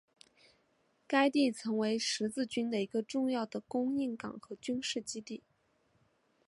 该地曾为十字军的一个重要的供应港和军事基地。